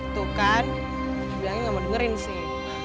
tuh kan bilangnya gak mau dengerin sih